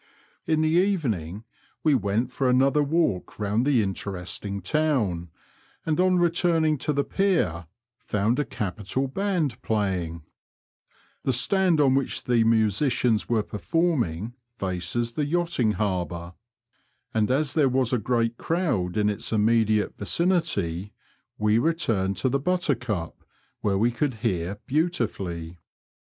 . In the evening we went for another walk round the interesting town, and on returning to the Pier found a capital band playing. The stand on which the musicians were performing faces the yachting harbour, and as there was Digitized by VjOOQIC DIGRESSIONAL AND OTHERWISE. 29 a great crowd in its immediate vicinity, we returned to the Buttercup, where we could hear beautifully.